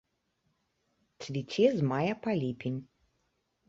Цвіце з мая па ліпень.